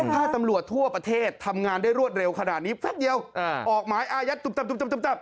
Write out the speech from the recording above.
ถ้าตำรวจทั่วประเทศทำงานได้รวดเร็วขนาดนี้แป๊บเดียวออกหมายอายัดตุบจับ